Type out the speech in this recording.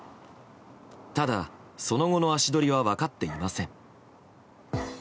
ただ、その後の足取りは分かっていません。